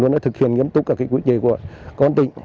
luôn thực hiện nghiêm túc các quy trì của tỉnh